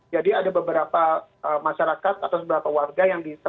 jadi ada beberapa masyarakat atau beberapa warga yang ditemukan